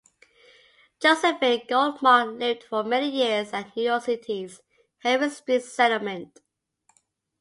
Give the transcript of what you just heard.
Josephine Goldmark lived for many years at New York City's Henry Street Settlement.